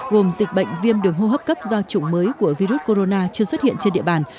gồm dịch bệnh viêm đường hô hấp cấp do chủng mới của virus corona chưa xuất hiện trên địa bàn